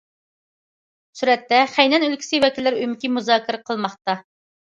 سۈرەتتە: خەينەن ئۆلكىسى ۋەكىللەر ئۆمىكى مۇزاكىرە قىلماقتا.